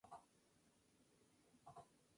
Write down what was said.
Hasta ese momento el teatro era itinerante.